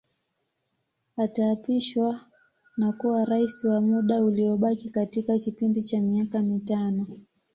Ataapishwa na kuwa Rais wa muda uliobakia katika kipindi cha miaka mitano